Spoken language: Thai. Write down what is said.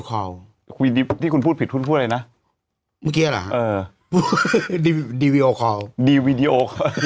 วิดีโอคอลที่คุณพูดผิดพูดอะไรนะเมื่อกี้อร่าเออดีดีวีโอคอลดีวิดีโอ